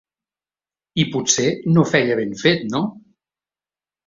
I potser no feia ben fet, no?